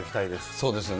そうですね。